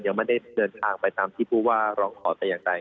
ยังไม่ได้เดินทางไปตามที่ผู้ว่าร้องขอแต่อย่างใด